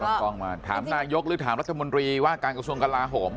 กล้องมาถามนายกหรือถามรัฐมนตรีว่าการกระทรวงกลาโหม